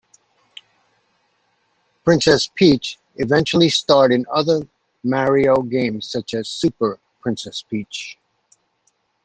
Princess Peach eventually starred in other "Mario" games such as "Super Princess Peach".